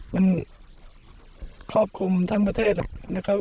มันครอบคลุมทั้งประเทศนะครับ